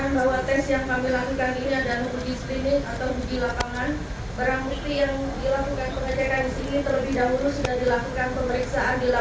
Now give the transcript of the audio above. bapak presiden republik indonesia